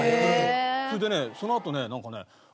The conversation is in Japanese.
それでねそのあとねなんかね